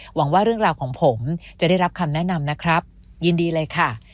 หวังว่าเรื่องราวของผมจะได้รับคำแนะนำนะครับยินดีเลยค่ะ